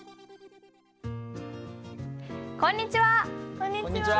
こんにちは。